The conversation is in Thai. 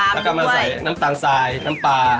แล้วก็มาใส่น้ำตาลทรายน้ำปลา